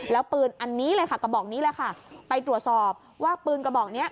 แล้วปืนอันนี้เลยค่ะกระบอกนี้แหละค่ะไปตรวจสอบว่าปืนกระบอกเนี้ย